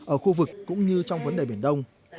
ở khu vực cũng như trong vấn đề biển đông